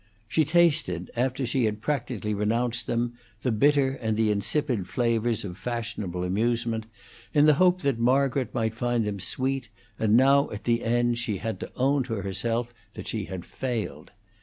She tasted, after she had practically renounced them, the bitter and the insipid flavors of fashionable amusement, in the hope that Margaret might find them sweet, and now at the end she had to own to herself that she had failed.